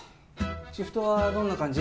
シフトはどんな感じ？